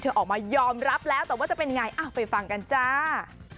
ออกมายอมรับแล้วแต่ว่าจะเป็นไงไปฟังกันจ้า